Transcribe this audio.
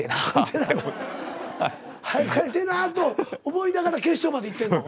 早く帰りてぇなと思いながら決勝までいってんの？